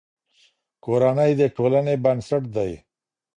کورنۍ د ټولنې بنسټ دی.